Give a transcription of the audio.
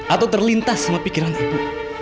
atau terlintas sama pikiran ibu